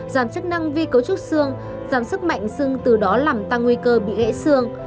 giảm chức năng vi cấu trúc sương giảm sức mạnh sương từ đó làm tăng nguy cơ bị gãy sương